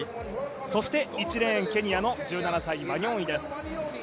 そして１レーン、ケニアの１７歳、ワニョンイです。